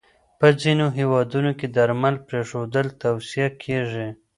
په ځینو هېوادونو کې درمل پرېښودل توصیه کېږي.